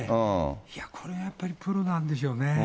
いや、これがやっぱりプロなんでしょうね。